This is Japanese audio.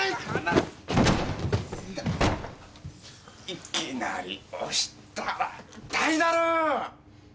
いきなり押したら痛いだろ！